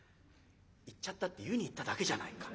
「行っちゃったって湯に行っただけじゃないか。